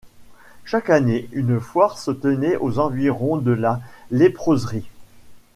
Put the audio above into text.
Chaque année une foire se tenait aux environs de la léproserie.